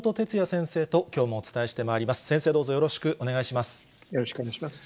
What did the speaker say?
先生、どうぞよろしくお願いします。